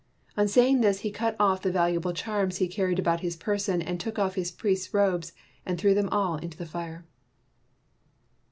On say ing this, he cut off the valuable charms he carried about his person and took off his priest's robes and threw them all into the fire.